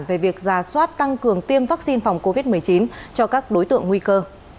về việc giả soát tăng cường tiêm vaccine phòng covid một mươi chín cho các đối tượng nguy cơ